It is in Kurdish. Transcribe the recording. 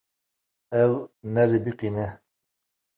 Ew nebiriqîne.